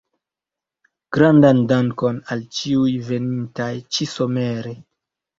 Grandan dankon al ĉiuj venintaj ĉi-somere.